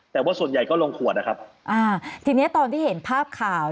แต่ว่าส่วนใหญ่ก็ลงขวดนะครับอ่าทีเนี้ยตอนที่เห็นภาพข่าว